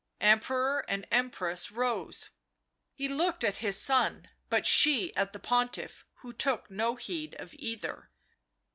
Emperor and Empress rose; he looked at his son; but she at the Pontiff, who took no heed of either.